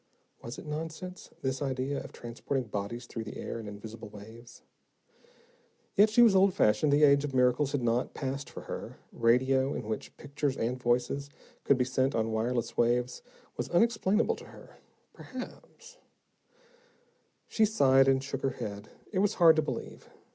Was it nonsense, this idea of transporting bodies through the air, in invisible waves? Yet, she was old fashioned; the age of miracles had not passed for her. Radio, in which pictures and voices could be sent on wireless waves, was unexplainable to her. Perhaps She sighed, and shook her head. It was hard to believe.